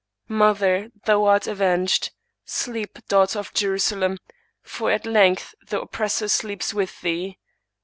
Mother, thou art avenged : sleep, daugh ter of Jerusalem! for at length the oppressor sleeps with thee.